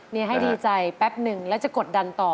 นี่ให้ดีใจแป๊บนึงแล้วจะกดดันต่อ